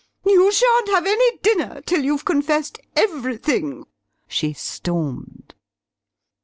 "You shan't have any dinner till you've confessed everything," she stormed.